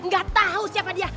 gak tau siapa dia